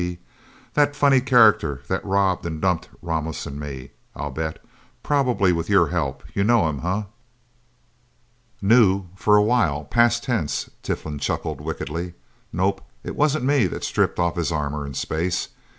B.! The funny character that robbed and dumped Ramos and me, I'll bet. Probably with your help! You know him, huh?" "Knew for a while past tense," Tiflin chuckled wickedly. "Nope it wasn't me that stripped off his armor in space.